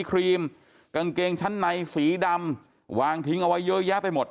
ครีมกางเกงชั้นในสีดำวางทิ้งเอาไว้เยอะแยะไปหมด